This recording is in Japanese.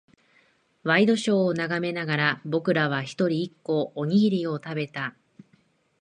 ワイドショーを眺めながら、僕らは一人、一個、おにぎりを食べた。